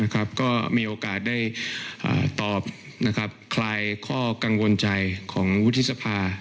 ก็มีโอกาสได้ตอบคลายข้อกังวลใจของวุฒิสภา